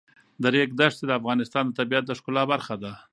د ریګ دښتې د افغانستان د طبیعت د ښکلا برخه ده.